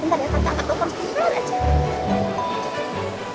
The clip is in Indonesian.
bentar ya nanti angkat toko